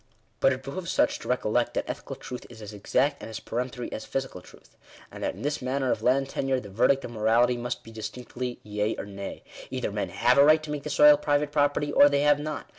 But it behoves such to recollect, that ethical truth is as < exact and as peremptory as physical truth ; and that in this \ matter of land tenure, the verdict of morality must be distinctly S yea or nay. Either men ftave a right to make the soil private : property, or they have not.